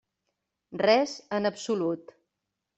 Res en absolut.